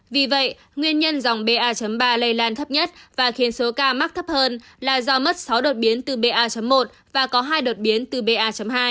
vì vậy nguyên nhân dòng ba ba lây lan thấp nhất và khiến số ca mắc thấp hơn là do mất sáu đột biến từ ba một và có hai đột biến từ ba hai